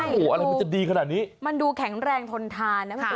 ใช่โหอะไรมันจะดีขนาดนี้มันดูแข็งแรงทนทานค่ะ